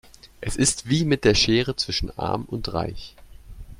Es ist wie mit der Schere zwischen arm und reich.